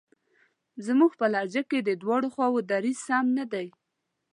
زموږ په لهجه کې د دواړو خواوو دریځ سم نه دی.